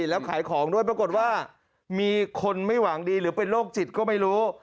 แล้วขายของด้วยปรากฏว่ามีคนไม่หวังดีหรือเป็นโรคจิตก็ไม่รู้